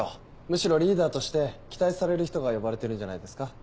むしろリーダーとして期待される人が呼ばれてるんじゃないですか？